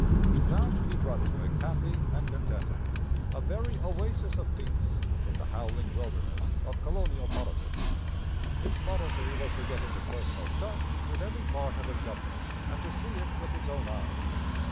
He found New Brunswick happy and contented, a very oasis of peace in the howling wilderness of colonial politics. His policy was to get into personal touch with every part of his government and to see it with his own eyes.